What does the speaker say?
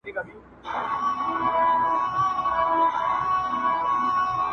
د ډېوې دښمن به ړوند وي د کتاب غلیم زبون وي -